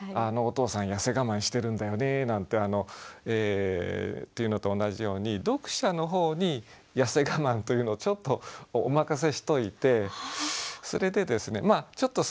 「あのお父さん痩せがまんしてるんだよね」なんて言うのと同じように読者の方に痩せがまんというのをちょっとお任せしといてそれでですね。